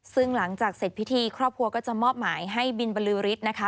ซึ่งหลังจากเสร็จพิธีครอบครัวก็จะมอบหมายให้บินบรือฤทธิ์นะคะ